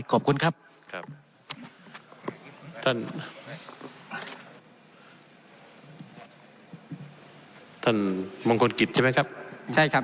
ท่านมองคนกิจใช่ไหมครับ